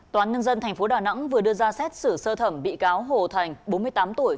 toán nhân dân tp đà nẵng vừa đưa ra xét xử sơ thẩm bị cáo hồ thành bốn mươi tám tuổi